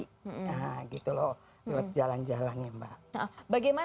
nah gitu loh lewat jalan jalan ya mbak